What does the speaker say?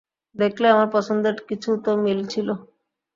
দেখলে, আমাদের পছন্দের কিছু তো মিল ছিল।